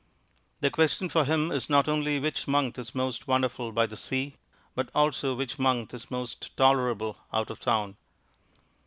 The question for him is not only which month is most wonderful by the sea, but also which month is most tolerable out of town.